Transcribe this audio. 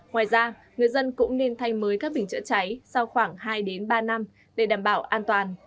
ngoài ra người dân cũng nên thay mới các bình chữa cháy sau khoảng hai ba năm để đảm bảo an toàn